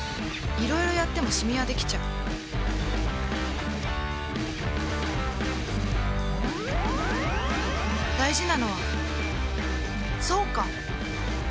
いろいろやってもシミはできちゃう大事なのはそうか！